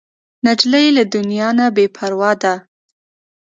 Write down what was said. نجلۍ له دنیا نه بې پروا ده.